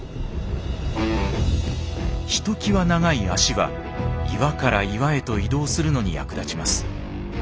ひときわ長い脚は岩から岩へと移動するのに役立ちます。